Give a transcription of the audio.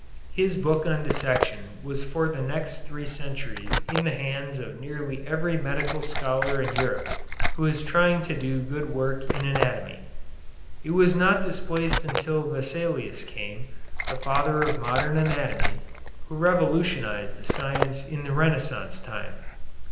His book on dissection was for the next three centuries in the hands of nearly every medical scholar in Europe who was trying to do good work in anatomy. It was not displaced until Vesalius came, the father of modern anatomy, who revolutionized the science in the Renaissance time.